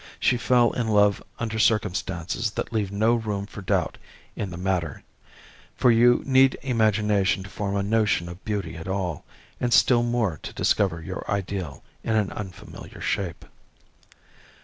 She fell in love under circumstances that leave no room for doubt in the matter; for you need imagination to form a notion of beauty at all, and still more to discover your ideal in an unfamiliar shape.